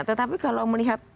tetapi kalau melihat